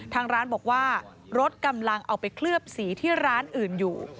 ทางร้านบอกว่ารถกำลังเอาไปเคลือบสีที่ร้านอื่นอยู่